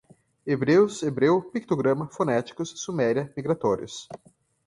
Hebreus, hebreu, pictograma, fonéticos, suméria, migratórios